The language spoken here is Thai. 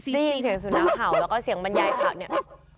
ได้ยินเสียงสุนัขเห่าแล้วก็เสียงบรรยายข่าวเนี่ย